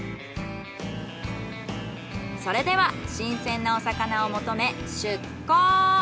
それでは新鮮なお魚を求め出航。